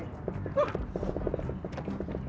semuanya juga udah